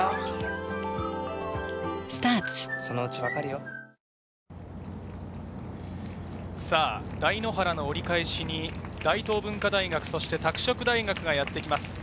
まさにそ台原の折り返しに大東文化大学、拓殖大学がやってきます。